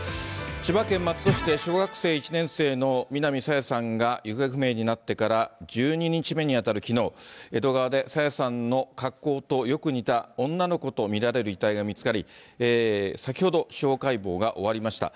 千葉県松戸市で、小学１年生の南朝芽さんが行方不明になってから１２日目に当たるきのう、江戸川で朝芽さんの格好とよく似た女の子と見られる遺体が見つかり、先ほど、司法解剖が終わりました。